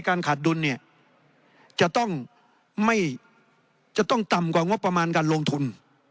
การขาดดุลจะต้องต่ำกว่างงบประมาณการลงทุน